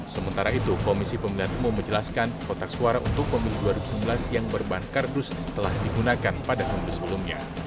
sementara itu komisi pemilu dan demokrasi dt anggera menjelaskan kotak suara untuk pemilu dua ribu sembilan belas yang berbahan kardus telah digunakan pada tahun sebelumnya